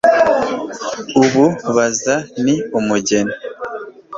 ubu bazza ni umugani